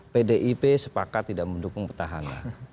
pdip sepakat tidak mendukung petahana